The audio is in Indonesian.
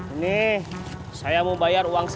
takara sekolah mesti lihat bukannya